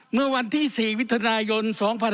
เมื่อวันที่๔มิถุนายน๒๕๖๒